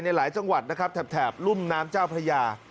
ในหลายจังหวัดแถบรุ่นน้ำเจ้าพระยา